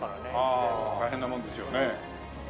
大変なもんですよね。